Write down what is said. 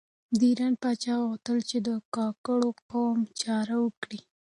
د ایران پاچا غوښتل چې د کاکړو قام چاره وکړي.